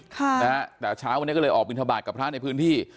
ค่ะนะฮะแต่เช้าวันนี้ก็เลยออกบินทบาทกับพระในพื้นที่